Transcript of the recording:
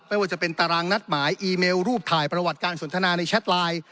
ไม่ว่าจะเป็นตารางนัดหมายอีเมลรูปถ่ายประวัติการสนทนาในแชทไลน์